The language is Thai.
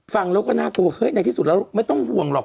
ฟังแล้วก็น่ากลัวเฮ้ยในที่สุดแล้วไม่ต้องห่วงหรอก